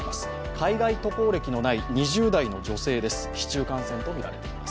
海外渡航歴のない２０代女性です。